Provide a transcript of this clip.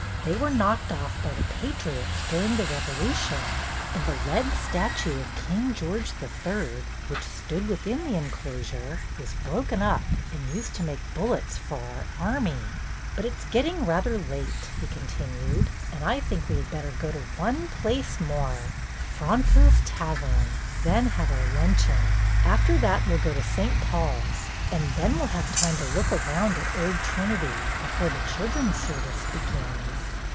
They were knocked off by the patriots during the Revolution, and the lead statue of King George III, which stood within the enclosure, was broken up and used to make bullets for our army. But it 's getting rather late," he continued," and I think we 'd better go to one place more, Fraunces's Tavern j then have our 250 BETTY BAIRD'S GOLDEN YEAR luncheon. After that we 'II go to St. Paul's and then we 'll have time to look around at Old Trinity before the children's service begins."